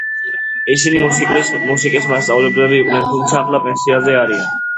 ისინი მუსიკის მასწავლებლები იყვნენ, თუმცა ახლა პენსიაზე არიან.